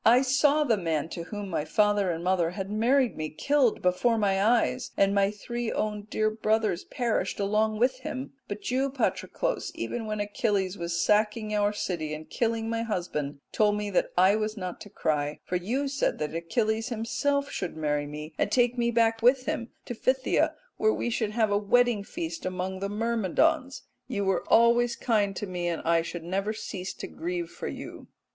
I saw the man to whom my father and mother had married me killed before my eyes, and my three own dear brothers perished along with him; but you, Patroclus, even when Achilles was sacking our city and killing my husband, told me that I was not to cry; for you said that Achilles himself should marry me, and take me back with him to Phthia, where we should have a wedding feast among the Myrmidons. You were always kind to me, and I should never cease to grieve for you."